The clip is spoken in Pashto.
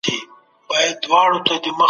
ګوندي ډسپلین څنګه ساتل کیږي؟